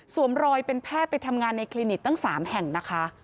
รอยเป็นแพทย์ไปทำงานในคลินิกตั้ง๓แห่งนะคะ